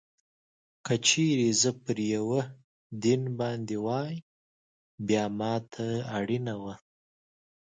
که چېرې زه پر یوه دین باندې وای، بیا ما ته اړینه وه.